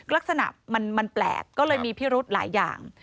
ลักษณะมันแปลกก็เลยมีพิรุธหลายอย่าง